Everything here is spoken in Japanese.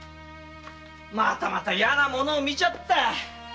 またまた嫌なものを見ちゃったよ！